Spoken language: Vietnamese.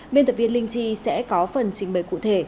biên tập viên linh chi sẽ có phần trình bày cụ thể